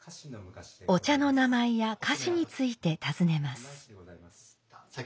お茶の名前や菓子について尋ねます。